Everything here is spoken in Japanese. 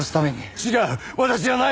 違う私じゃない。